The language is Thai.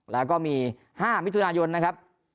แล้วก็มี๕มิถุนายนนะครับ